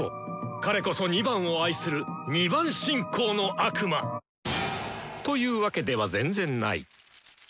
彼こそ２番を愛する２番信仰の悪魔！というわけでは全然ない。